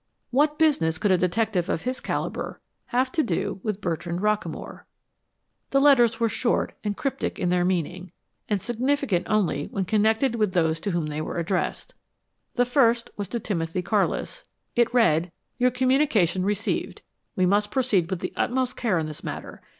What business could a detective of his caliber have to do with Bertrand Rockamore? The letters were short and cryptic in their meaning, and significant only when connected with those to whom they were addressed. The first was to Timothy Carlis; it read: Your communication received. We must proceed with the utmost care in this matter.